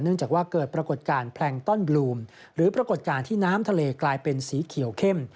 จากว่าเกิดปรากฏการณ์แพลงต้อนบลูมหรือปรากฏการณ์ที่น้ำทะเลกลายเป็นสีเขียวเข้ม